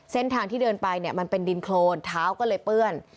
เส้นทางที่เดินไปเนี่ยมันเป็นดินโครนเท้าก็เลยเปื้อน